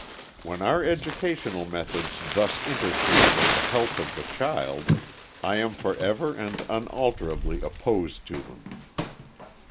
When our educational methods thus interfere with the health of the child, I am forever and unalterably opposed to them.